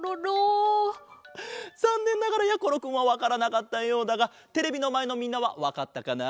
ざんねんながらやころくんはわからなかったようだがテレビのまえのみんなはわかったかな？